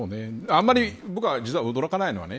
あんまり僕は実は驚かないのはね